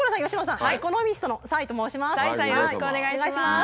崔さんよろしくお願いします。